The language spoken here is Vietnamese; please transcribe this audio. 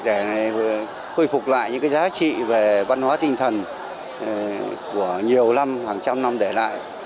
để khôi phục lại những cái giá trị về văn hóa tinh thần của nhiều năm hàng trăm năm để lại